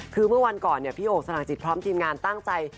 คือเมื่อวันก่อนพี่โอ่งสนจิตพร้อมทีมงานตั้งใจ